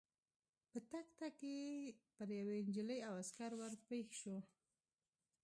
په تګ تګ کې پر یوې نجلۍ او عسکر ور پېښ شوو.